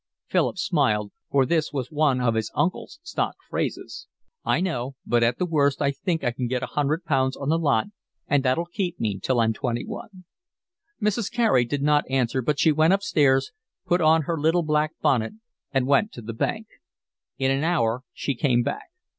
Philip smiled, for this was one of his uncle's stock phrases. "I know, but at the worst I think I can get a hundred pounds on the lot, and that'll keep me till I'm twenty one." Mrs. Carey did not answer, but she went upstairs, put on her little black bonnet, and went to the bank. In an hour she came back.